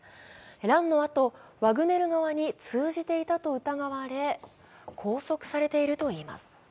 乱のあと、ワグネル側に通じていたと疑われ、拘束されているといいます。